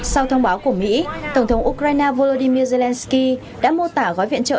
sau thông báo của mỹ tổng thống ukraine volodymyr zelensky đã mô tả gói viện trợ